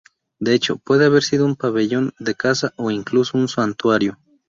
De hecho, puede haber sido un pabellón de caza o incluso un santuario.